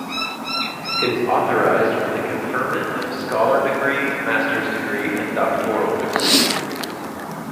It is authorized for the conferment of Scholar degree, master's degree and doctoral degree.